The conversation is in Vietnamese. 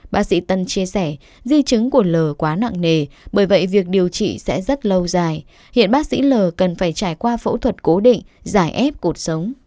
bác sĩ tân chia sẻ di chứng của l quá nặng nề bởi vậy việc điều trị sẽ rất lâu dài hiện bác sĩ l cần phải trải qua phẫu thuật cố định giải ép cuộc sống